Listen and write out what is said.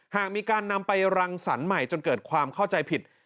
หากมีการนำไปรังสรรค์ใหม่จนเกิดความเข้าใจผิด